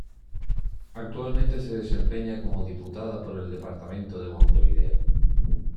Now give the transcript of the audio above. Actualmente se desempeña como diputada por el departamento de Montevideo.